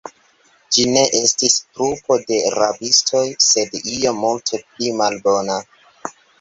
Ĝi ne estis trupo de rabistoj, sed io multe pli malbona.